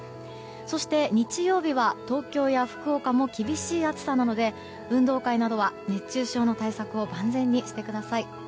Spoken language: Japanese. そして、日曜日は東京や福岡も厳しい暑さなので運動会などは熱中症の対策を万全にしてください。